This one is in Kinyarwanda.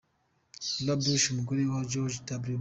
Laura Bush, umugore wa George W.